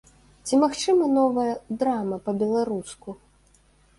Ці магчыма новая драма па-беларуску?